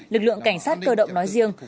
lực lượng cảnh sát cơ động nói riêng